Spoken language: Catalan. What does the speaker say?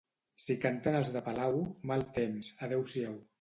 Si canten els de Palau, mal temps, adeu-siau.